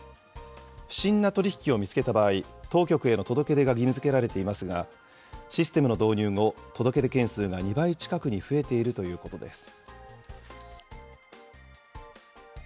不審な取り引きを見つけた場合、当局への届け出が義務づけられていますが、システムの導入後、届け出件数が２倍近くに増えているということです。